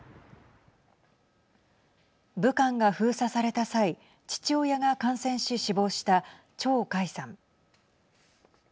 武漢が封鎖された際父親が感染し死亡した張海さん。